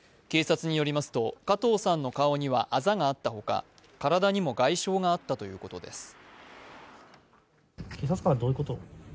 警察によりますと、加藤さんの顔にはアザがあったほか、体にも外傷があったということです。